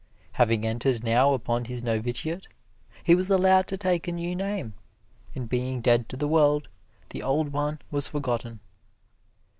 Having entered now upon his novitiate, he was allowed to take a new name, and being dead to the world, the old one was forgotten.